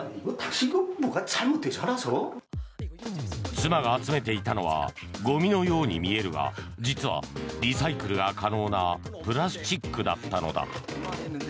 妻が集めていたのはごみのように見えるが実は、リサイクルが可能なプラスチックだったのだ。